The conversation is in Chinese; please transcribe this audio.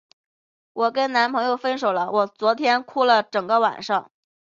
我跟男朋友分手了，我昨天哭了整个晚上。